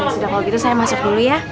sudah kalau gitu saya masuk dulu ya